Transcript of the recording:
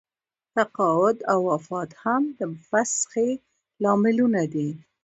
تقاعد او وفات هم د فسخې لاملونه دي.